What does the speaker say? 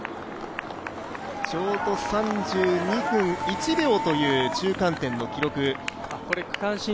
ちょうど３２分１秒という中間点の記録。